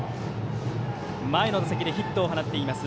前の打席でヒットを放っています